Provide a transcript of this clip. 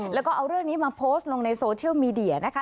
แล้วก็เอาเรื่องนี้มาโพสต์ลงในโซเชียลมีเดียนะคะ